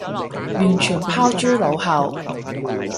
完全拋諸腦後